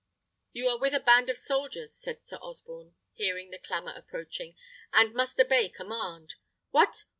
"You are with a band of soldiers," said Sir Osborne, hearing the clamour approaching, "and must obey command. What!